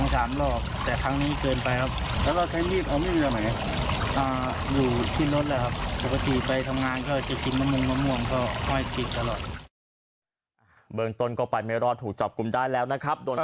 ใช่ครับมันไหลเรื่องหลายรอบแล้วครับ